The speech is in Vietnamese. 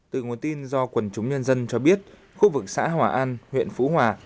từ nguồn tin do quần chúng nhân dân cho biết khu vực xã hòa an huyện phú hòa